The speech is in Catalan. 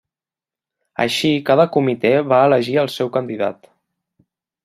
Així cada comitè va elegir al seu candidat.